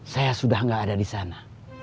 saya sudah gak ada disana